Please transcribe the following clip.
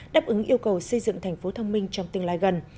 đáp ứng yêu cầu xây dựng thành phố thông minh trong tương lai gần